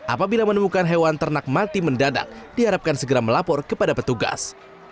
apabila menemukan hewan ternak mati mendadak diharapkan segera melapor kepada petugas